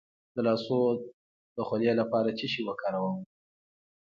د لاسونو د خولې لپاره څه شی وکاروم؟